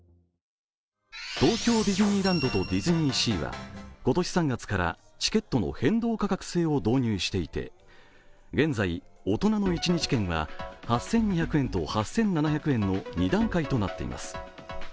東京ディズニーランドとディズニーシーは今年３月からチケットの変動価格制を導入していて現在、大人の１日券は８７００円と８２００円の２段階となっています。